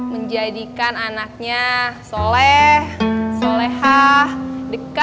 menjadikan anaknya soleh solehah dekat dengan allah